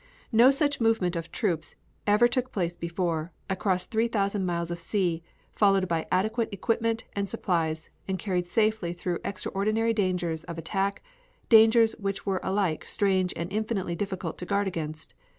No such movement of troops ever took place before, across 3,000 miles of sea, followed by adequate equipment and supplies, and carried safely through extraordinary dangers of attack, dangers which were alike strange and infinitely difficult to guard against.